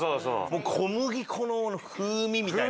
もう小麦粉の風味みたいな。